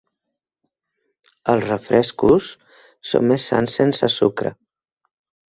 Els refrescos són més sans sense sucre.